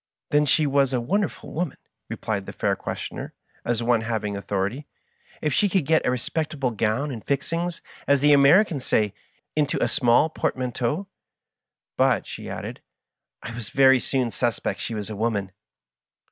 "Then she was a wonderful woman," replied the fair questioner, as one having authority, " if she could get a respectable gown and * fixings,' as the Americans say, into a small portmanteau. But," she added, " I very soon suspected she was a woman."